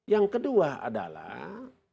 yang kedua adalah